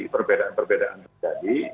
perbedaan perbedaan yang terjadi